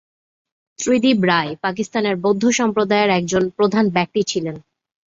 ত্রিদিব রায় পাকিস্তানের বৌদ্ধ সম্প্রদায়ের একজন প্রধান ব্যক্তি ছিলেন।